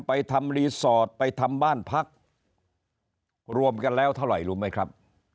ไปทำรีสอร์ทไปทำบ้านพักรวมกันแล้วเท่าไหร่รู้ไหมครับ